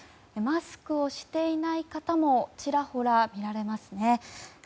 マスクをしていない方もちらほら見られますね。